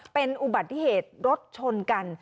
เป็นอุบัติเหตุรถชนกัน